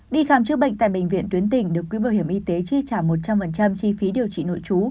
đi khám chữa bệnh tại bệnh viện tuyến tỉnh được quỹ bảo hiểm y tế chi trả một trăm linh chi phí điều trị nội trú